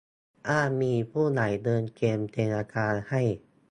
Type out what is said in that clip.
อ้างมีผู้ใหญ่เดินเกมเจรจาให้